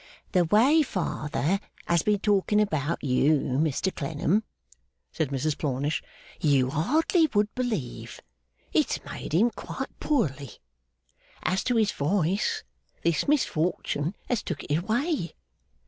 'The way father has been talking about you, Mr Clennam,' said Mrs Plornish, 'you hardly would believe. It's made him quite poorly. As to his voice, this misfortune has took it away.